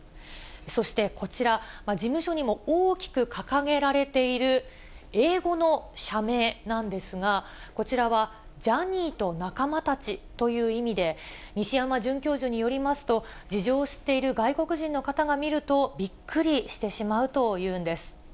そしてこちら、事務所にも大きく掲げられている、英語の社名なんですが、こちらは、ジャニーと仲間たちという意味で、西山准教授によりますと、事情を知っている外国人の方が見ると、びっくりしてしまうというんです。